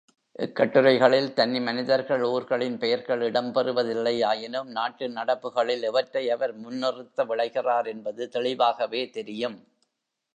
இக்கட்டுரைகளில் தனிமனிதர்கள், ஊர்களின் பெயர்கள் இடம்பெறுவதில்லையாயினும் நாட்டு நடப்புகளில் எவற்றை அவர் முன்னிறுத்த விழைகிறார் என்பது தெளிவாகவே தெரியும்.